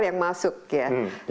yang masuk ya